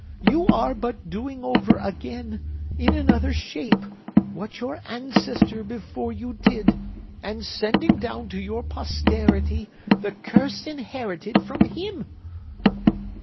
You are but doing over again, in another shape, what your ancestor before you did, and sending down to your posterity the curse inherited from him!"